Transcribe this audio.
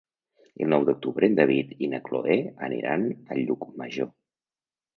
El nou d'octubre en David i na Cloè aniran a Llucmajor.